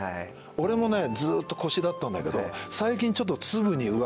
俺もねずっとこしだったんだけど最近ちょっと。